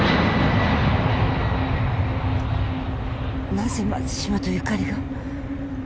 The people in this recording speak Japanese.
なぜ松島と由香利が？